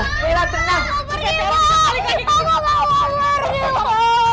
aku gak mau